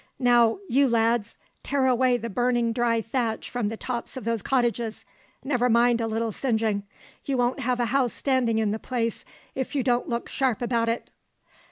Now, you lads, tear away the burning dry thatch from the tops of those cottages; never mind a little singeing. You won't have a house standing in the place if you don't look sharp about it!"